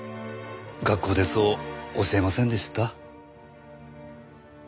学校でそう教えませんでした？